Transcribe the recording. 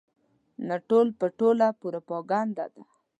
نه ټول په ټوله پروپاګنډه ده.